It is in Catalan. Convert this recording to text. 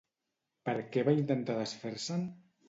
Per què va intentar desfer-se'n?